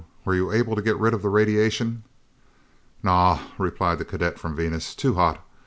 Were you able to get rid of the radiation?" "Naw!" replied the cadet from Venus. "Too hot!